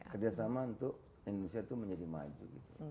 kerjasama untuk indonesia itu menjadi maju